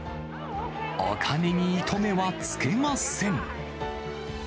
お金に糸目はつけません。